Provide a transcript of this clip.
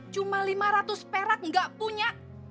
cuma lima ratus perak nggak punya